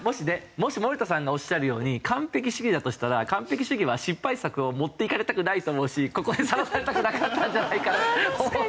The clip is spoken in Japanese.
もし森田さんがおっしゃるように完璧主義だとしたら完璧主義は失敗作を持っていかれたくないと思うしここでさらされたくなかったんじゃないかと思って。